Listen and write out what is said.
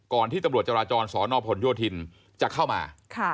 ที่ตำรวจจราจรสนพลโยธินจะเข้ามา